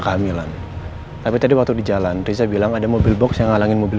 kehamilan tapi tadi waktu di jalan riza bilang ada mobil box yang ngalangin mobil